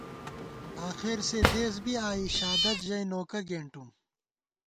آخیر سےدېس بی آئی، شادَت ژَئی نوکہ گېنٹُم